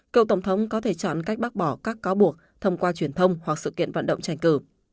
cựu tổng thống có thể chọn cách bác bỏ các cáo buộc thông qua truyền thông hoặc sự kiện vận động tranh cử